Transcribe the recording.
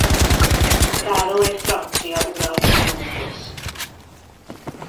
Károly francia uralkodóhoz.